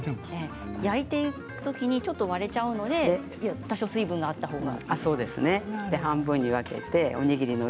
焼いていくときにちょっと割れてしまうので多少、水分があったほうが。